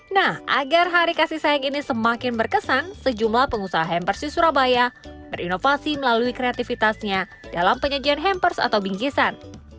nah agar hari kasih sayang ini semakin berkesan sejumlah pengusaha hampers di surabaya berinovasi melalui kreativitasnya dalam penyajian hampers atau bingkisan